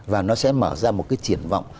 và nó sẽ mở ra một cái triển vọng